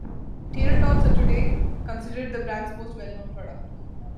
Tater Tots are today considered the brand's most well known product.